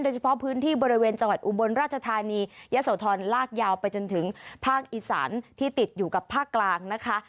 เฉพาะพื้นที่บริเวณจังหวัดอุบลราชธานียะโสธรลากยาวไปจนถึงภาคอีสานที่ติดอยู่กับภาคกลางนะคะ